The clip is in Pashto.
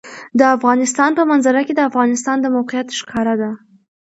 د افغانستان په منظره کې د افغانستان د موقعیت ښکاره ده.